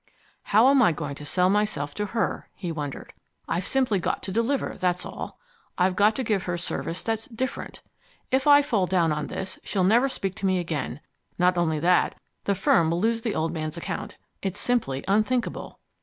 "How am I going to sell myself to her?" he wondered. "I've simply got to deliver, that's all. I've got to give her service that's DIFFERENT. If I fall down on this, she'll never speak to me again. Not only that, the firm will lose the old man's account. It's simply unthinkable."